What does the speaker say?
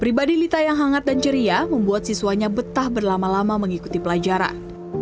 pribadi lita yang hangat dan ceria membuat siswanya betah berlama lama mengikuti pelajaran